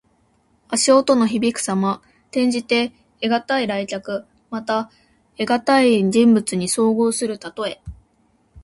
足音のひびくさま。転じて、得難い来客。また、得難い人物に遭遇するたとえ。